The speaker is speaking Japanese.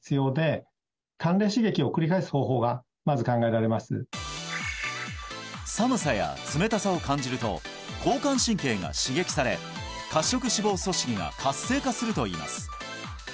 はい寒さや冷たさを感じると交感神経が刺激され褐色脂肪組織が活性化するといいます